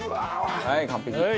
はい完璧！